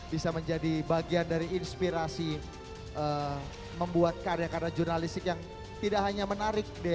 bisa menjadi bagian dari inspirasi membuat karya karya jurnalistik yang tidak hanya menarik